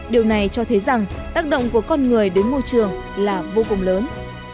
điều này cho thấy rằng tác động của con người đến môi trường là vô cùng lớn